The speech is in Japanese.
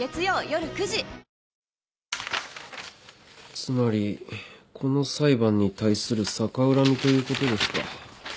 つまりこの裁判に対する逆恨みということですか。